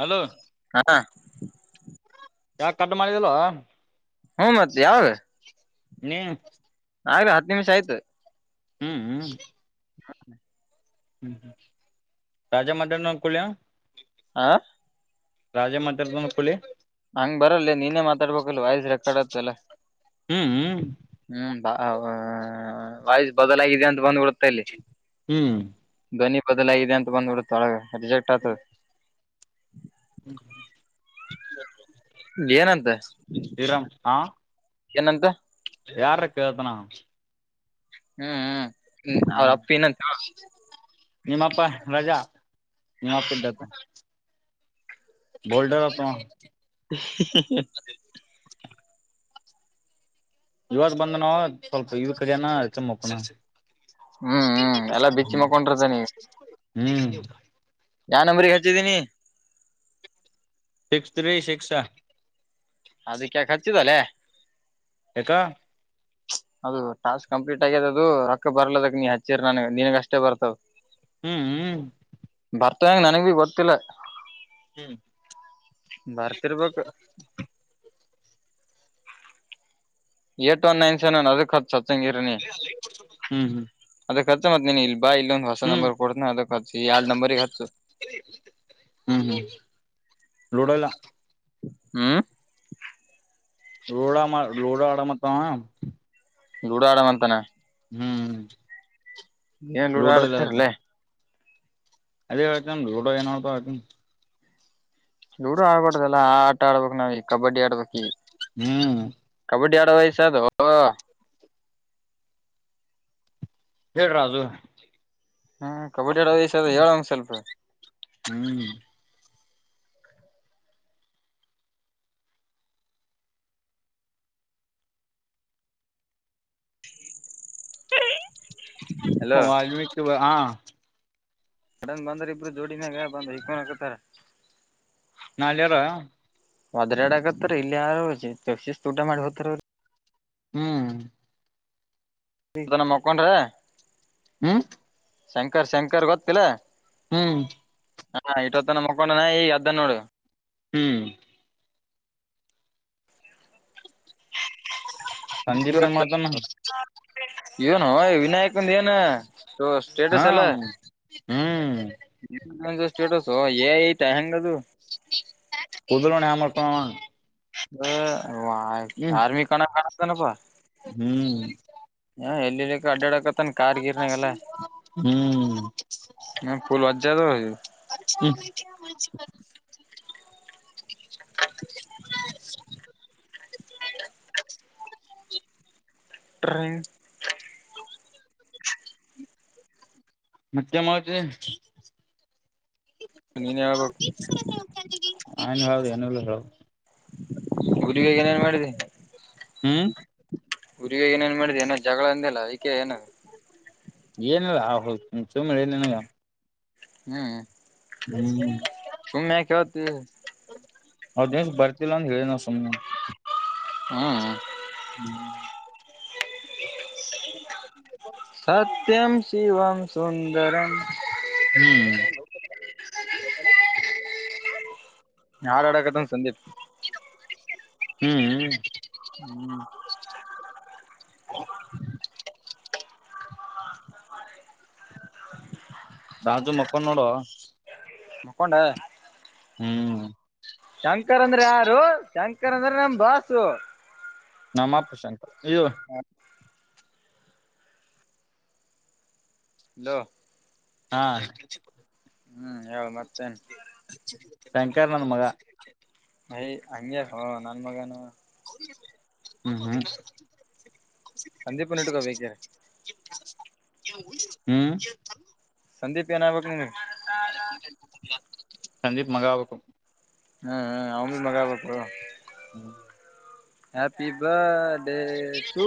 Hello ಹಾ ಯಾಕ ಕಟ್ಟ ಮಾಡಿದಲ್ವ ಹ್ಮ್ ಮತ್ ಯಾವಾಗ ನೀ ನಾವೆ ಹತ್ತು ನಿಮಿಷ ಆಯ್ತು ಹ್ಮ್ ಹ್ಮ್ ಹ ಹ್ಮ್ ಹ್ಮ್ ರಾಜ ಮದನ ಕಳ ಆ ರಾಜೆ ಮಾತರ್ದ ಕುಳಿ ಹಂಗ್ ಬರಲ್ಲ ನೀನೇ ಮಾತಾಡ್ಬೇಕಲ್ ವಾಯ್ಸ್ ರೆಕಾರ್ಡ್ ಆತ ಎಲ್ಲ ಹ್ಮ್ ಹ್ಮ್ ಹ್ಮ್ ಬಾ ವಾಯಸ್ ಬದಲಾಗಿದೆ ಅಂತ ಬಂದ್ಬಡ್ತ ಹ್ಮ್ ಬೊದಲ ಇದೆ ಅಂತ ಬಂದ್ಬಿಡುತ್ತೊಳಗ ರಿಜೆಕ್ಟ್ ಆಯತದ ಏನಂತ ಇರಾಮ ಹಾ ಏನಂತ ಯಾರ ರಕ್ಕ ಅತನ ಹ್ಮ್ ಹ್ಮ್ ಅವ್ರ ಅಪ್ಪ ಏನಂತ ನಿಮ್ಮಪ್ಪ ರಜಾ ನೀಪ ಬೋಲ್ಡರ ತ [inaudible] ಇವಾಗ ಬಂದ ನಾವ ಸ್ವಲ್ಪ ಇವ ಜನ ಚಮ್ಮಪ್ಪನ ಹ್ಮ್ ಹ್ಮ್ ಎಲ್ಲಾ ಬಿಚ್ಚಿ ಮಕೊಂಡಿರ್ತಾನ ಹ್ಮ್ ಜ ನಂಬರಿ ಹಚ್ಚಿದನಿ ಶಸ್ತ್ರೀ ಶಿಕ್ಷಾ ಅದಕ್ಕೆಾಕೆ ಹಚ್ಚಿದಲ್ಲೇ ಹಕ ಅದು ಟಾಸ್ಕ್ ಕಂಪ್ಲೀಟ್ ಆಗ್ಯದ ಅದು ರೊಕ್ಕ ಬರ್ಲದಕ್ ನೀ ಹಚ್ಚಿರ್ ನನ್ಗೆ ನಿನಗ್ ಅಷ್ಟೇ ಬರ್ತದ ಹ್ಮ್ ಹ್ಮ್ ಪರ್ತಂ ನನಗೆ ಗೊತ್ತಿಲ್ಲ ಹ್ಮ್ ಬರ್ತಿರ್ ಬೇಕು ಏಟ್ ಒನ್ ನೈನ್ ಸೆವೆನ್ ಅದಕ್ ಹತ್ ಹತ್ತಂಗಿರನಿ ಹ್ಮ್ ಹ್ಮ್ ಅದತ್ ಮತ್ತ ನೀ ಇಲ್ ಬ ಇಲ್ಲೊಂದು ಹೊಸ ಹ್ಮ್ ನಂಬರ್ ಕೊಡ್ತ ಅದ ಯ ನಂಬರು ಹ್ಮ್ ಹ್ಮ್ ಲೂಡೋ ಎಲ್ಲ ಹ್ಮ್ ಲೋಡಾಮ ಲೋಡಾ ಆಡ ಮಾತಾವ ಗುಡ ಆಡ್ ಅಂತಾನ ಹ್ಮ್ ನೀಲ್ಲೂಡ ಲೂಡೋ ಇಲ್ಲ ಅಡ್ತರಲ್ಲೇ ಅದೇ ಕಚ ಲೂಡೋ ಏನೋಪ್ಪ ಕಳು ದೂರು ಆಗ್ಬಾರಡ್ದಲ್ಲ ಆ ಆಟ ಆಡ್ಬೇಕು ನಾವ್ ಇಲ್ಲಿ ಕಬಡ್ಡಿ ಆಡ್ಬೇಕಕ್ ಹ್ಮ್ ಕಬಡ್ಡಿ ಆ ಎ ವಯಸದು ಹೇಳ ರಾಜು ಹ್ಮ್ ಕಬಡ್ಡಿ ಆಡಷ ಹೇಳಂಗ ಸ್ವಲ್ಪ ಹ್ಮ್ ಹಲೋ ವಾಲ್ಮೀಕ್ ಹಾ ಅಡನ್ ಬಂದ್ರ ಇಬ್ರು ಜೋಡಿನಾಗ ಬಂದ ಇಕೊಂಡನ್ ಹಾಕತಾರ ನಾಳ ಯಾರ ಒದ್ರಾಡ್ ಆಗತ್ತಾರ ಇಲ್ಲಿ ಯಾರಸಿಸ ಊಟ ಮಾಡಿ ಹೋತಾರ ಅವರಿ ಹ್ಮ್ ತನ್ನ ಮಕ್ಕೊಂಡ್ರ ಹ್ಮ್ ಶಂಕರ್ ಶಂಕರ್ ಗೊತ್ತಿಲ್ಲ ಹ್ಮ್ ಹಾ ಇಟ್ವತ್ತನ ಮಕ್ಕೊಂಡನ ಈ ಅದ್ದ ನೋಡು ಹ್ಮ್ ಸಂದೀಪ ಇವತ್ತು ಮತಮ್ಮ ಏನು ವಿನಾಯಕಂದ ಏನ ಹಾ ಸ್ಟೇಟಸ್ ಎಲ್ಲ ಹ್ಮ್ ಯನ್ ಸ್ಟೇಟಸ್ ಎ ಐಟ ಹೆದುು ಕುದಲ ಾಮರ್ತ ಅ ಆರ್ಮೀ ಕಾನ ಕಾಣತ ನ ಪ ಹ್ಮ್ ಹಾ ಎಲ್ಲಿ ಅಡ್ಡಕ ಹ್ಮ್ ಫುಲ್ ವಜ್ಜದು [unintelligible] ಹ ಟ್ರೇನ್ ಮತ್ತೆಮದು ನೀನ್ ಹೇಳ್ಬೇಕು ಹೌದು ಅನ ಗುರಿರಿಗೆ ಏನೇನ್ ಮಾಡಿದೆ ಹ್ಮ್ ಹುರಿಗ ಏನೇನ್ ಮಾಡಿದೆ ಏನ ಜಗಳಂದಲ್ಲಾ ಈಕೆಏನ ಏನಲ್ಲ ಹೌ ಚುಮಲ್ಲ ನನಗ ಹ್ಮ್ ಹ್ಮ್ ಸುಮ್ಮ್ಯಾ ಕತ ಹೌ ದಿವಸ ಬರ್ತಿಲ್ಲ ಅಂತ ಹೇಳನ ಸುಮ್ನೆ ಹ್ಮ್ ಹ್ಮ್ ಸತ್ಯಂ ಶಿವಂ ಸುಂದರಂ ಹ್ಮ್ ಹಾಳಾಡಕದಂದು ಸಂದೀಪ್ ಹ್ಮ್ ಹ್ಮ್ ರಾಜು ಮಕ್ಕಳ ನೋಡುುವ ಮಕ್ಕೊಂಡಂಡ ಹ್ಮ್ ಶಂಕರ್ ಅಂದ್ರೆ ಯಾರು ಶಂಕರ್ ಅಂದ್ರೆ ನಮ ಬಾಸು ನಮ್ಮ ಪ್ರು ಶಂಕರ್ ಇದು ಇಲ ಹಾ ಹ್ಮ್ ಹೇಳ ಮತ್ತೇನ್ ಶಂಕರ್ ನಂದ ಮಗ ಹ ಅ ಹ ನಾನ ಮಗಾನ ಹ್ಮಞ ಹ್ಮ ಸಂದೀಪನ್ ಇಟ್ಕೋ ಬೇಕಿದ್ರೆ ಹ್ಮ್ ಸಂದೀಪ್ ಏನಾಗ್ಬೇಕುಗೆ ಸಜೀಪ್ ಮಗಾಭಕ ಹ್ಮ ಅವನ್ ಮಗ ಆಗ್ಬೇಕು ಹ್ಯಾಪಿ ಬರ್ಡೇಟು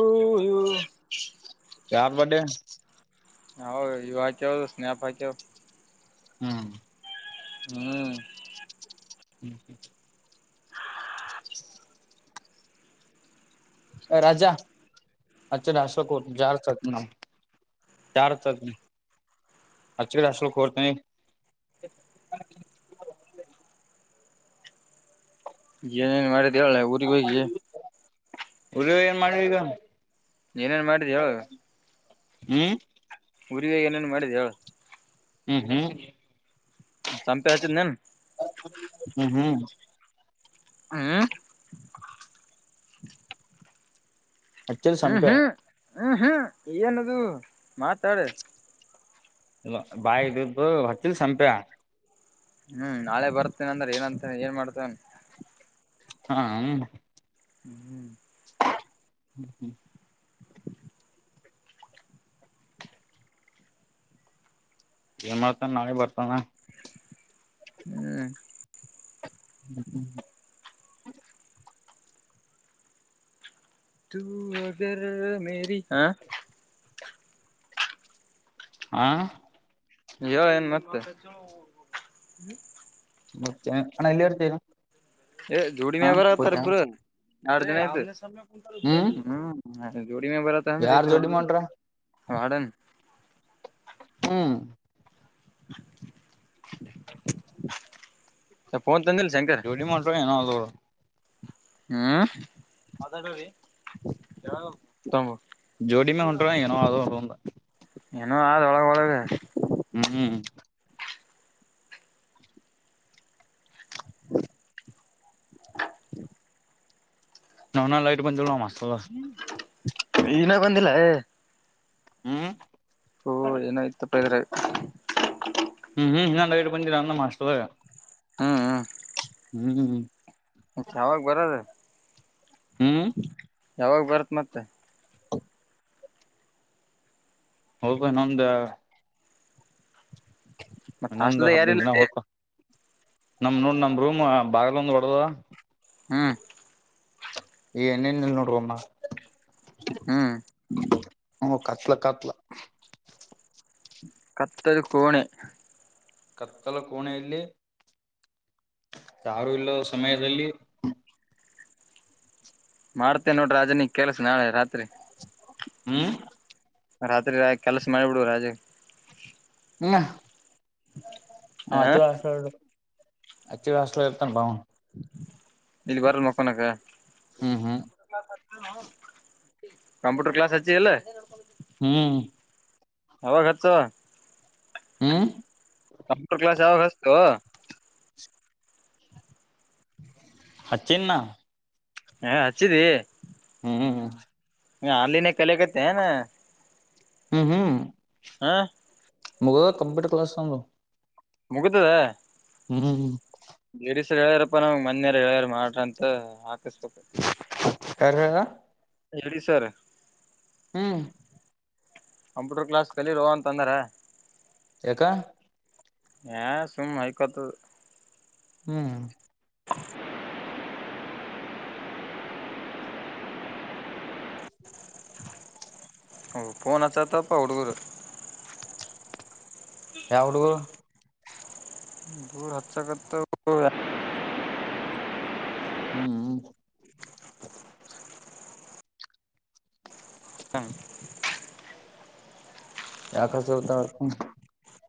ಯಾರ ಬಡೆ ಹೌ ಯ ಕೆವದು ಸ್ನೇಹಪಾಯ ಕೆ ಹ್ಮ್ ಹ್ಮ್ ಹ್ಮ್ ಹ್ಮ್ ರಾಜಾ ಅಚ ಅಶೋಕ ಜಾರ್ ಸತ್ನಮ ಚಾರ್ ಚದನ ಅಚ ಅಷ್ಟಲ್ಖರ್ತನೆ ನ ಮಾಡ ತವ ಪಊರಿ ಕ ಉರಿವ ಏನ್ ಮಾಡುವ ಈಗ ನೀಏನೇನು ಮಾಡಿದ್ದು ಹೇಳುದು ಹ್ಮ್ ಹುರಿರಿಗೆ ಏನೇನು ಮಾಡಿದೆ ಹೇಳು ಹ್ಮ್ ಹ್ಮ್ ಸಂಪೆ ಹಚ ನನು [unintelligible] ಹ್ಮ ಅಚ್ಚರಿ ಹ್ಮ್ ಸಂಪ ಹ್ಮ್ ಹ್ಮ್ ಹ್ಮ್ ಏನದು ಮಾತಾಡ ಇ ಬಾಯ ಇದ ಹೊತ್ತಿಲ್ಲ ಸಂಪ್ಯ ಹ್ಮ್ ನಾಳೆ ಬರ್ತೇನೆ ಅಂದ್ರೆ ಏನಂತ ಏನ್ ಮಾಡ್ತೇವನ್ ಹಾ ಹ ಹ್ಮ್ ಹ್ಮ್ ಹ್ಮ ಹ್ಮ್ ಏನ್ ಮಾಡ್ತಾನ ನಾಳೆ ಬರ್ತಾನ ಹ್ಮ [inaudible] ತು ಅಗರ ಮೇರಿ ಆ ಹಾ ಯ ಏನ್ ಮತ್ತ ಮತ್ತೆ ಅಣ್ಣ ಇಲ್ಲೆ ಇರ್ತಿ ಇಗ ಏ ಜೋಡಿಿನ ಬರತಾರ ಇಬ್ಬರು ಎರಡೂ ದಿನ ಆಯ್ತು ಹ್ಮ್ ಜೋಡಿ ಮೆ ಬರತ್ತ ಅಂದ್ರ ಯಾರ್ ಇಬ್ಬರು ಜೋಡಿ ಮಾಡ್ರ ವಾರ್ಡನ್ ಹ್ಮ್ [inaudible] ಫೋನ್ ತಂದಿಲ್ಲ ಶಂಕರ್ ಜೋಡಿ [unintelligible] ಏನ ಅದು. ಹ್ಮ್ ಮಾತಾಡ್ಬೇರಿ. ಜೋಡಿ ಮೇ [inaudible] ಹೊಂಟ್ರ ಏನೋ ಅದು ಒಂದ ಏನೋ ಆದಒಳಗ ಒಳಗ ಹ್ಮ್ [inaudible] [inaudible] ನಾ ನ ಲೈಟ್ ಬಂದಿಲ್ಲ ಮಸ್ತ ಇನ್ನ ಬಂದಿಲ್ಲ ಏಏಏಏ ಹ್ಮ್ ಓ ಏನಾಯ್ತ ತಪ್ಪ ಇದ್ರೆ್ತ ಹ್ಮ್ ಹ್ಮ್ ಹೀನ ಲೈಟ್ ಬಂದಿಲ್ಲ ನಮ್ಮ ಹಾಸ್ಟೆಲ್ದಾಗ ಹ್ಮ್ ಹ್ಮ್ ಹ್ಮ್್ಮ್್ಮ ಹ್ಮ್ಮ್ ಯಾವಾಗ ಬರದ ಹ್ಮ್.. ಯಾವಾಗ ಬರುತ್ತ ಮತ್ತ ಹೋಗ ನಮ್ದ.. ಮತ್ ಇನ್ನೊಂದು ಹಾಸ್ಟೆಲ್ ಹದಿನೈದು ಯಾರಿಲ್ಲ ಜನ ಲೇ ಹೋಗ್ತ.. ನಮ ನೋಡ್ ನಮ ರೂಮ್ ಬಾಗಲ ಒಂದ ವಡಡುದಾ ಹ್ಮ್. ಏನೇನ್ಲ್ ನೋಡ್ರವಮ್ಮ ಹ್ಮ್. ಹ್ಮ್ಮ್ ಕತ್ಲ ಕತ್ಲ. ಕತ್ತರು ಕೋಣೆ ಕತ್ತಲು ಕೋಣ ಎಲ್ಲಿ ಯಾರು ಇಲ್ಲ ಸಮಯದಲ್ಲಿ ಮಾಡ್ತೇನ್ ನೋಡ್ ರಾಜನಿಗ್ ಕೆಲ್ಸ ನಾಳೆ ರಾತ್ರಿ. ಹ್ಮ್ ರಾತ್ರಿ ಕೆಲ್ಸ ಮಾಡಿಬಿಡು ರಾಜೆ ಅವ ಹ ಅಚ್ಚು ಹಸ್ ಅಚ್ಚ ಹಸ್ ಇರ್ತಾನ್ ಬಾ ಅವ್ನ್. ಇಲ್ ಬರಲ್ ಮಕ್ಕನಕ್ಕ ಹ್ಮ್ ಹ್ಮ್ ಕಂಪ್ಯೂಟರ್ ಕ್ಲಾಸ ಹಚ್ಚಿ ಅಲ್ಲ ಹ್ಮ್ ಹೋಗ್ ಹಚು. ಹ್ಮ್ ಕಂಪ್ಯೂಟರ್ ಕ್ಲಾಸ್ ಯಾವಾಗ ಹಸ್ತೋ ಓಓಓ ಹಚ್ಚಿನ ನಾ ಯೇ ಹಚ್ಚಿದಿ ಹ್ಮ್ ಯೇ ಆನ್ಲೈನ್ ಕಲೆಕತಿ ಯೆನ್ ಹ್ಮ್ ಹ್ಮ್ ಹಾ ಮುಗದ ಕಂಪ್ಯೂಟರ್ ಕ್ಲಾಸ್ ತದು ಮುಗತದ ಹ್ಮ್ ಹೇಳ್ಯಾರಪ್ಪ ನಾವ ಮನೆಯ ಹೇಳರು ಮಾಡ್ರ ಅಂತ ಹಾಕಿಸ್ಬೇಕು ಯ ಹೇಳ ಹೇಳಿ ಸರ್ ಹ್ಮ್ ಕಂಪ್ಯೂಟರ್ ಕ್ಲಾಸ್ ಕಲಿರೋ ಅಂತಂದರೆ ಯಕ ಯ ಸುಮ ಹೈಕತ [unintelligible] ಹ್ಮ್ [inaudible] ಪೋನಚತಪ್ಪಹಡುಗರು ಯಾವಡು ದೂರ ಹಚ್ಚಸಕ ಹ್ಮ್ [unintelligible]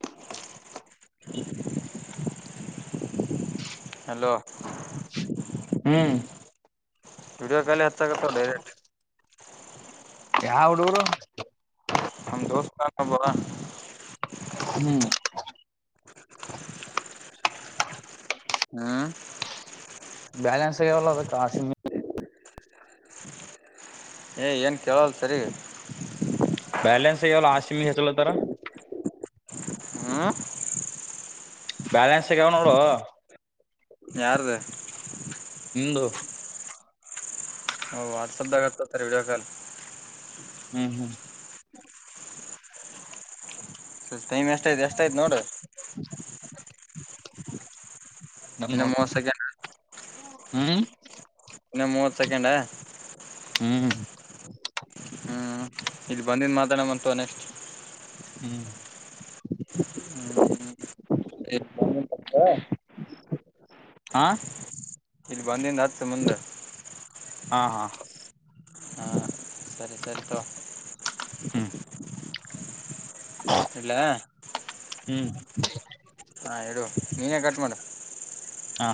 ಹಲೋ ಹ್ಮ್ ವಿೀಡಿಯೋ ಕಾಲ ಹತಕ್ಕತ್ತ ಡೈರೆಕ್ಟ್ ಯ ಅವಡುರು ನಮ್ಮ ದೋಸ್ಬ ಹ್ಮ್ ಹ್ಮ ಬ್ಯಾಲೆನ್ಸ್ ಯಲ್ಲದ ಕಾಶಮ ಏ್ ಏನು ಕೇಳಲ್ಲ ಸರಿ ಬ್ಯಾಲೆನ್ಸ್ ಅಯ್ಯಲ್ಲ ಆಸಿಮ ಹೆಚ್ಚಲತ್ತರ ಹ್ಮ ಬ್ಯಾಲೆನ್ಸ್ಗಾವ ನೋಡ [unintelligible] ಯಾರ್ದ ನಿಮ್ದು ಹ ವಾಟ್ಸಪದಾಗ ಹಚ್ಚೋತಾರ ವಿಡಿಯೊ ಕಾಲ್ ಹ್ಮ್ ಹ್ಮ್ ಟೈಮ್ ಎಷ್ಟ ಆಯ್ತ ಎಷ್ಟ ಆಯ್ತು ನೋಡ ಇನ್ನ ಮೂವತ್ತ ಸೆಕಂಡ್ ಹ್ಮ ಇನ್ನ ಮೂವತ್ತ ಸೆಕೆಂಡಾ ಹ್ಮ್ ಹ್ಮ್ ಇಲ್ಲಿ ಬಂದಿದ ಮಾತಾಡಮ ಅಂತ ತಗೊ ನೆಸ್ಟ್ ಹ್ಮ್ ಬಂದಿದ ಪತ [unintelligible] ಹಾ ಇದು ಬಂದಿಂದ ಹಚ್ಚ ಮುಂದ ಹಾ ಹಾ ಹಾ ಸರಿ ಸರಿ ತಗೊ ಹ್ಮ್ ಇಡಲ್ಯಾ ಹ್ಮ್ ಹಾ ಹೇಳು ನೀನೇ ಕಟ್ ಮಾಡ ಹಾ